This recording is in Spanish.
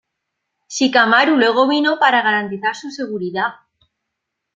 Shikamaru luego vino para garantizar su seguridad.